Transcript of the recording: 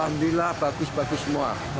alhamdulillah bagus bagus semua